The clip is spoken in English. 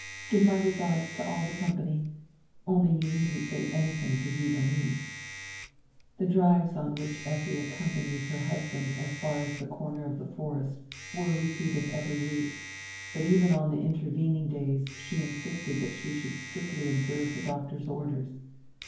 Give my regards to all die company, only you needn't say anydiing to Sidonie." The drives on which Effi accompanied her hushand as far as die corner of the forest were repeated every week, hut even on die intervening days she insisted diat she should stricdy ohserve die doctor's orders.